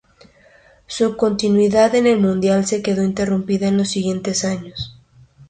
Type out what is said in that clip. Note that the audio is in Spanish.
Su continuidad en el Mundial se quedó interrumpida en los siguientes años.